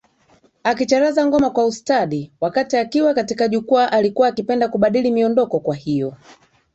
akicharaza ngoma kwa ustadi Wakati akiwa katika jukwaa alikuwa akipenda kubadili miondoko Kwa hiyo